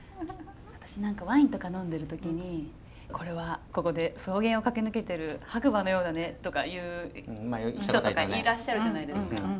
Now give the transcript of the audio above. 私ワインとか呑んでる時に「これはここで草原を駆け抜けてる白馬のようだね」とか言う人とかいらっしゃるじゃないですか。